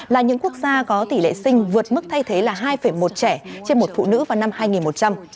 là những quốc gia có tỷ lệ sinh vượt mức thay thế là hai một trẻ trên một phụ nữ vào năm hai nghìn một trăm linh